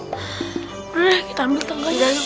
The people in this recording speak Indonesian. udah deh kita ambil tangganya yuk